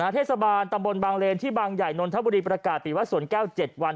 เทศบาลตำบลบางเลนที่บางใหญ่นนทบุรีประกาศปิดวัดสวนแก้ว๗วัน